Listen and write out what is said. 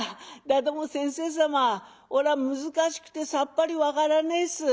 だども先生様おら難しくてさっぱり分からねえっす。